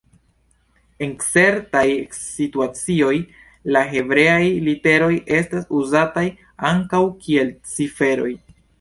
En certaj situacioj la hebreaj literoj estas uzataj ankaŭ kiel ciferoj.